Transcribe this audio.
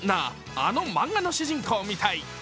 あの漫画の主人公みたい。